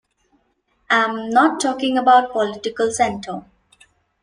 I'm not talking about political center.